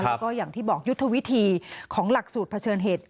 แล้วก็อย่างที่บอกยุทธวิธีของหลักสูตรเผชิญเหตุ